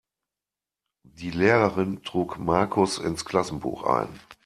Die Lehrerin trug Markus ins Klassenbuch ein.